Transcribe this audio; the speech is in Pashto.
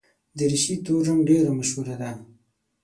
دریشي تور رنګ ډېره مشهوره ده.